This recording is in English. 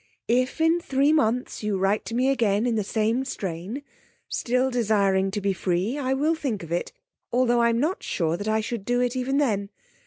If in three months you write to me again in the same strain, still desiring to be free, I will think of it, though I'm not sure that I should do it even then.